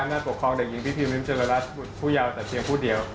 น่าปกครองเด็กหญิงพี่พิมพ์เจอร์รัสผู้ยาวแต่เพียงผู้เดียว